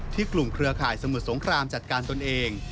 กลุ่มเครือข่ายสมุทรสงครามจัดการตนเอง